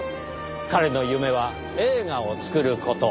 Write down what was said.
彼の夢は映画を作る事。